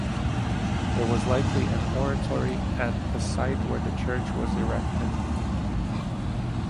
There was likely an oratory at the site where the church was erected.